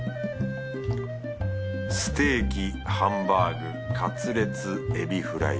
ステーキハンバーグカツレツ海老フライ。